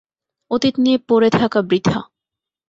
অতীত নিয়ে পড়ে থাকা বৃথা।